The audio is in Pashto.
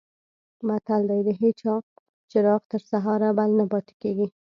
متل دی: د هېچا چراغ تر سهاره بل نه پاتې کېږي.